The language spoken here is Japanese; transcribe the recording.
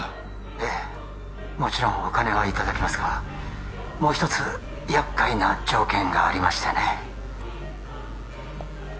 ええもちろんお金はいただきますがもう一つ厄介な条件がありましてね